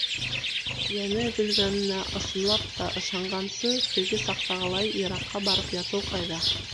Йәне өҙөлгәненә ысынлап та ышанғансы теге саҡтағылай йыраҡҡа барып ятыу ҡайҙа!